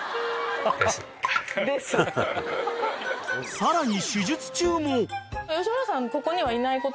［さらに］